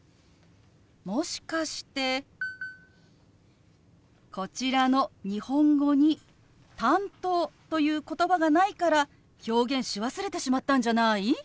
もしかしてこちらの日本語に「担当」という言葉がないから表現し忘れてしまったんじゃない？